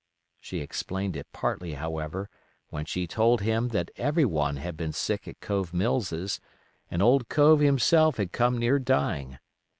She explained it partly, however, when she told him that every one had been sick at Cove Mills's, and old Cove himself had come near dying.